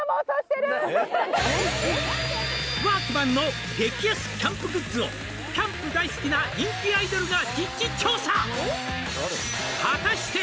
ワークマンの激安キャンプグッズをキャンプ大好きな人気アイドルが実地調査